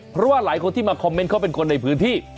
เพราะว่าหลายคนที่มาคอมเมนต์เขาเป็นคนในพื้นที่